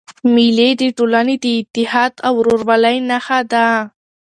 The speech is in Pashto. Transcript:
مېلې د ټولني د اتحاد او ورورولۍ نخښه ده.